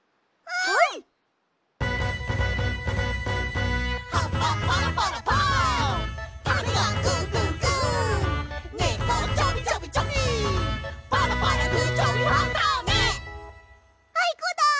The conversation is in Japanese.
あいこだ！